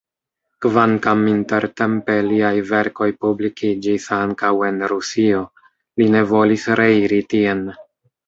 Kvankam intertempe liaj verkoj publikiĝis ankaŭ en Rusio, li ne volis reiri tien.